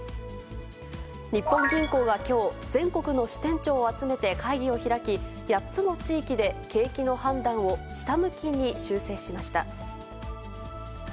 日本銀行がきょう、全国の支店長を集めて会議を開き、８つの地域で景気の判断を下向きに修正しました。